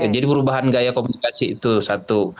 jadi perubahan gaya komunikasi itu satu